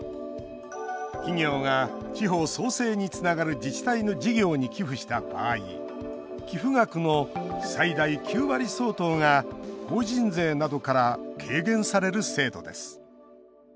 企業が地方創生につながる自治体の事業に寄付した場合寄付額の最大９割相当が法人税などから軽減される制度です。